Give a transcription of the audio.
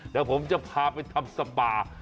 เดี๋ยวผมจะพาไปทำสปา